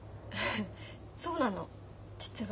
そうなの実は。